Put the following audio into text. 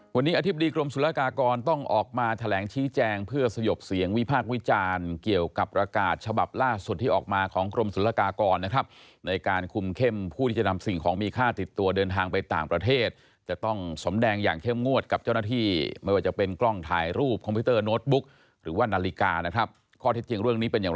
วันนี้อธิบดีกรมสุรกากรต้องออกมาแถลงชี้แจงเพื่อสยบเสียงวิพากษ์วิจารณ์เกี่ยวกับประกาศฉบับล่าสุดที่ออกมาของกรมศุลกากรนะครับในการคุมเข้มผู้ที่จะนำสิ่งของมีค่าติดตัวเดินทางไปต่างประเทศจะต้องสมแดงอย่างเข้มงวดกับเจ้าหน้าที่ไม่ว่าจะเป็นกล้องถ่ายรูปคอมพิวเตอร์โน้ตบุ๊กหรือว่านาฬิกานะครับข้อเท็จจริงเรื่องนี้เป็นอย่าง